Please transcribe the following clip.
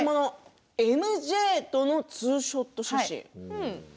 Ｍ・Ｊとのツーショット写真。